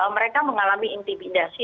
mereka mengalami intimidasi